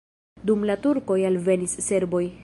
Dum la turkoj alvenis serboj.